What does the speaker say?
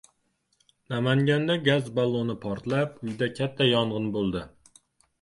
Namanganda gaz balloni portlab, uyda katta yong‘in bo‘ldi